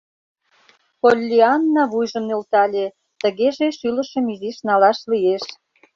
Поллианна вуйжым нӧлтале, тыгеже шӱлышым изиш налаш лиеш.